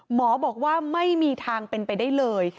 หมอบอกว่าไม่มีทางเป็นไปได้เลย